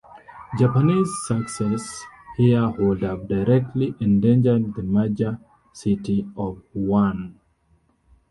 Japanese success here would have directly endangered the major city of Wuhan.